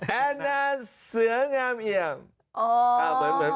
แอนนาเสืองามเอี่ยม